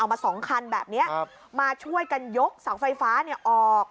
เอามาสองคันแบบเนี้ยครับมาช่วยกันยกเสาไฟฟ้าเนี้ยออก